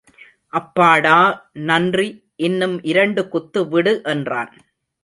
அப்பாடா நன்றி இன்னும் இரண்டு குத்து விடு என்றான்.